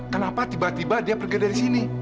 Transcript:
kenapa tiba tiba dia pergi dari sini